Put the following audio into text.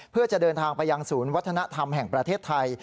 เพื่อจะเดินทางไปยังศูนย์วัฒนธรรมแห่งประเทศไทย